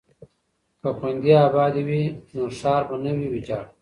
که خویندې ابادې وي نو ښار به نه وي ویجاړ.